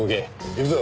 行くぞ！